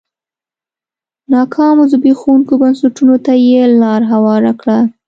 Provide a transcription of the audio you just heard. ناکامو زبېښونکو بنسټونو ته یې لار هواره کړه.